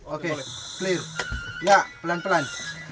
oke clear ya pelan pelan